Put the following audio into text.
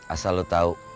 asal lo tau